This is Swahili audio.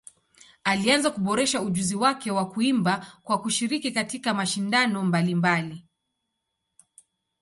Alianza kuboresha ujuzi wake wa kuimba kwa kushiriki katika mashindano mbalimbali.